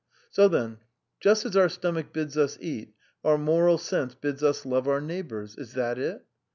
So then, just as our stomach bids us eat, our moral sense bids us love our neighbours. Is that it?